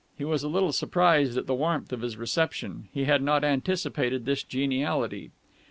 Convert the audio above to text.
He was a little surprised at the warmth of his reception. He had not anticipated this geniality.